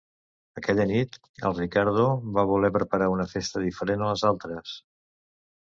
Aquella nit, el Riccardo va voler preparar una festa diferent a les altres.